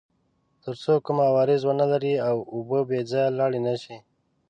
تر څو کوم عوارض ونلري او اوبه بې ځایه لاړې نه شي.